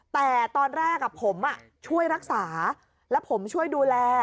แต่ตอนแรกผมช่วยรักษาแล้วผมช่วยดูแล